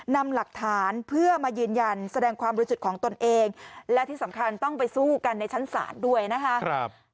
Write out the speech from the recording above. นำหลักฐานเพื่อมายืนยันแสดงความบริสุทธิ์ของตนเองและที่สำคัญต้องไปสู้กันในชั้นศาลด้วยนะคะ